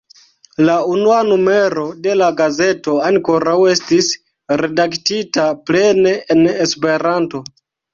La unua numero de la gazeto ankoraŭ estis redaktita plene en Esperanto.